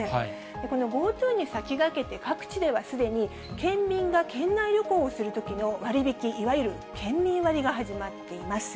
このＧｏＴｏに先駆けて、各地ではすでに県民が県内旅行をするときの割り引き、いわゆる県民割が始まっています。